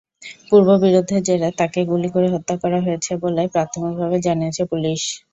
পূর্ববিরোধের জেরে তাঁকে গুলি করে হত্যা করা হয়েছে বলে প্রাথমিকভাবে জানিয়েছে পুলিশ।